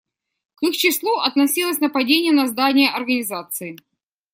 К их числу относилось нападение на здание Организации.